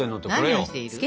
何をしている。